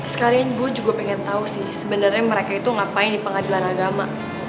sekalian gue juga pengen tahu sih sebenarnya mereka itu ngapain di pengadilan agama